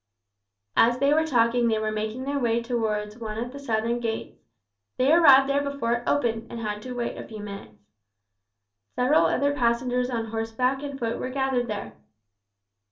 As they were talking they were making their way towards one of the southern gates. They arrived there before it opened, and had to wait a few minutes. Several other passengers on horseback and foot were gathered there.